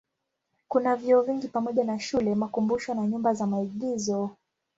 Kuna vyuo vingi pamoja na shule, makumbusho na nyumba za maigizo.